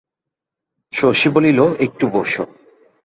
শশী বলিল, একটু বোসো।